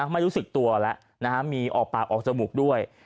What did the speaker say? ไม่รู้สึกตัวแล้วมีออกปากออกจมูกด้วย